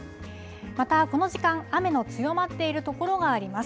またこの時間雨の強まっている所があります。